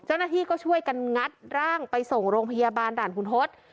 เจ้าหน้าที่ก็ช่วยกันงัดร่างไปส่งโรงพยาบาลด่านคุณทศ